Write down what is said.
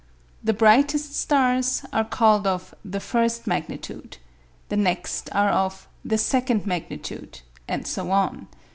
The brightest stars are called of "the first magnitude," the next are of "the second magnitude," and so on.